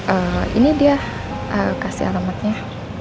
eh ini dia kasih alamatnya